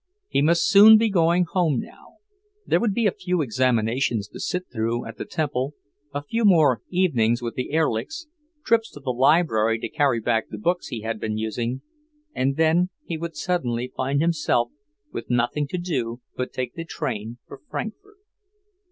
He must soon be going home now. There would be a few examinations to sit through at the Temple, a few more evenings with the Erlichs, trips to the Library to carry back the books he had been using, and then he would suddenly find himself with nothing to do but take the train for Frankfort.